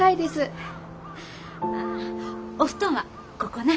お布団はここな。